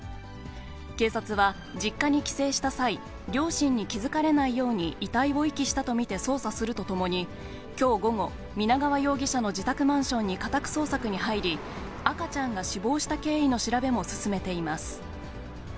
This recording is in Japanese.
警察は、実家に帰省した際、両親に気付かれないように遺体を遺棄したと見て捜査するとともに、きょう午後、皆川容疑者の自宅マンションに家宅捜索に入り、赤ちゃんが死亡した経緯の調べも進めています。